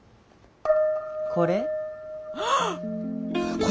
これ？